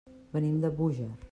Venim de Búger.